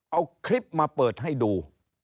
เอาคลิปมาเปิดให้ดู